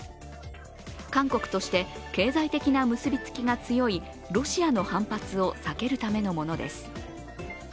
韓国として経済的な結びつきが強いロシアの反発を避けるためのものです。